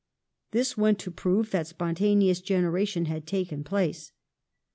This went to prove that spontaneous genera tion had taken place.